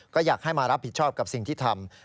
ก็อยากให้มารับผิดชอบกับสิ่งที่ทำ